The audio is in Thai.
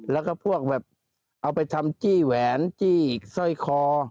แล้วก็พวกแบบเอาไปทำจี้แหวนจี้อีกสร้อยคอ